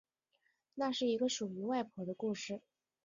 那是一个属于外婆的故事